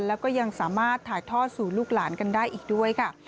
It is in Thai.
แล้วก็ยังสามารถถ่ายทอดสู่ลูกหลานกันได้อีกด้วยค่ะ